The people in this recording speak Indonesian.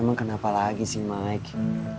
emang kenapa lagi sih mike